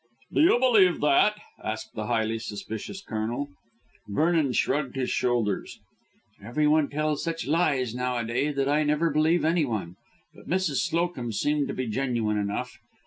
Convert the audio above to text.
"Do you believe that?" asked the highly suspicious Colonel. Vernon shrugged his shoulders. "Everyone tells such lies nowadays that I never believe anyone. But Mrs. Slowcomb seemed to be genuine enough.